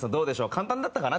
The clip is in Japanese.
簡単だったかな？